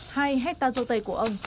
hai hecta dâu tây của ông